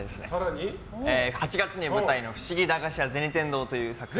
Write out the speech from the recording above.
８月に舞台の「ふしぎ駄菓子屋銭天堂」という作品に。